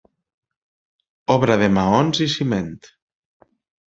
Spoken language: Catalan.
Obra de maons i ciment.